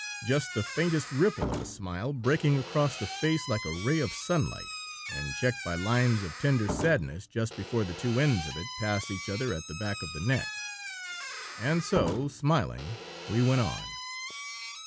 Just the faintest ripple of a smile breaking across the face like a ray of sunlight, and checked by lines of tender sadness just before the two ends of it pass each other at the back of the neck. And so, smiling, we went on.